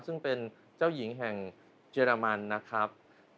ซึ่งเป็นเจ้าหญิงแห่งเยอรมันนะครับ